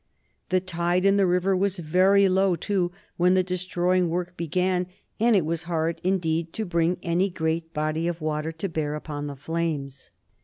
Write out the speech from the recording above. The tide in the river was very low, too, when the destroying work began, and it was hard indeed to bring any great body of water to bear upon the flames.